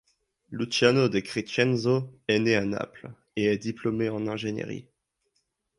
Luciano De Crescenzo est né à Naples, et est diplômé en ingénierie.